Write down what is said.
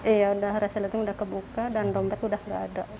iya udah reselleting udah kebuka dan dompet udah gak ada